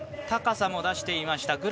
高さも出していました。